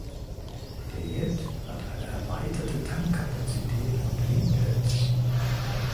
Der Jet hat eine erweiterte Tankkapazität und Winglets.